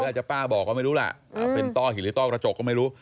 อาจจะป้าบอกก็ไม่รู้ล่ะเป็นต้อหินหรือต้อกระจกก็ไม่รู้